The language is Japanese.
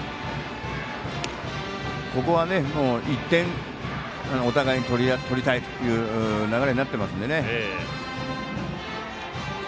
ここは１点取りたいという流れになってますのでね。